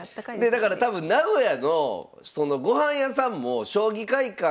だから多分名古屋の御飯屋さんも将棋会館